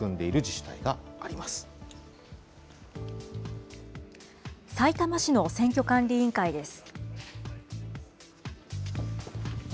さいたま市の選挙管理委員会です。